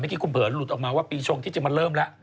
ไม่คิดคุณเผลอหรือหลุดออกมาว่าปีชงที่จะมาเริ่มแล้ว